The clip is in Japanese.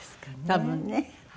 多分ね。